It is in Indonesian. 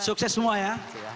sukses semua ya